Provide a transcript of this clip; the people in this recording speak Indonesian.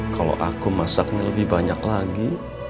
kalau aku masaknya lebih banyak lagi